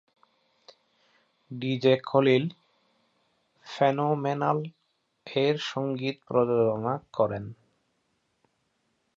DJ Khalil "ফেনোমেনাল"-এর সঙ্গীত প্রযোজনা করেন।